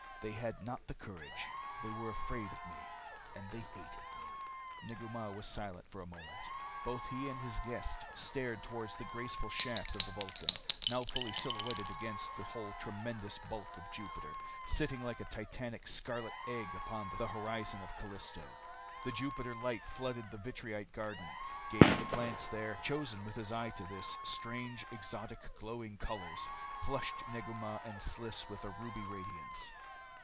They had not the courage. They were afraid of me. And they hated me." Negu Mah was silent for a moment. Both he and his guest stared toward the graceful shaft of the Vulcan, now fully silhouetted against the whole tremendous bulk of Jupiter, sitting like a titanic scarlet egg upon the horizon of Callisto. The Jupiter light flooded the vitrite garden, gave the plants there, chosen with an eye to this, strange, exotic, glowing colors, flushed Negu Mah and Sliss with a ruby radiance.